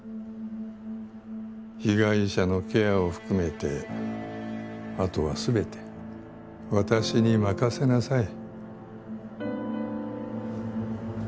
被害者のケアを含めて後は全て私に任せなさい。